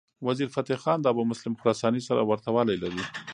وزیرفتح خان د ابومسلم خراساني سره ورته والی لري.